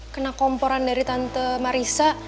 kena komporan dari tante marisa